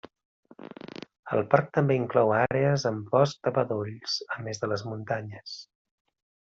El parc també inclou àrees amb bosc de bedolls, a més de les muntanyes.